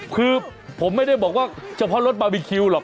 คือผมไม่ได้บอกว่าเฉพาะรถบาร์บีคิวหรอก